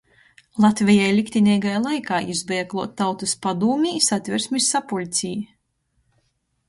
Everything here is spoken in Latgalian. Latvejai liktineigajā laikā jis beja kluot Tautys padūmē, Satversmis sapuļcē,